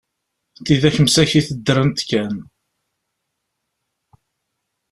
Tidak msakit ddrent kan.